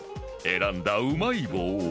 選んだうまい棒は？